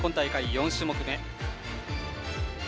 ４種目め。